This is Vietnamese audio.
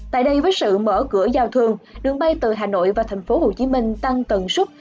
tại đây với sự mở cửa giao thương đường bay từ hà nội và thành phố hồ chí minh tăng tần suất